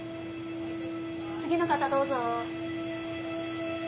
次の方どうぞ。